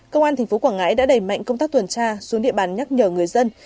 công an tp quảng ngãi đã đẩy mạnh công tác tuần tra xuống địa bàn nhắc nhở người dân